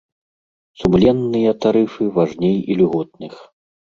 Сумленныя тарыфы важней ільготных.